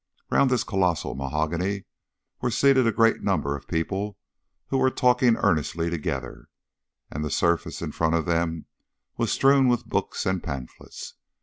Round this colossal mahogany were seated a great number of people who were talking earnestly together, and the surface in front of them was strewn with books and pamphlets.